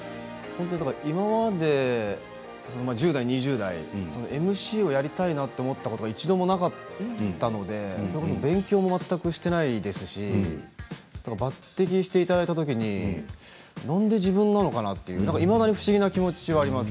今まで１０代、２０代ＭＣをやりたいなと思ったことは一度もなかったので勉強も全くしていないですし抜てきしていただいた時になんで自分なのかなっていまだに不思議な気持ちはあります。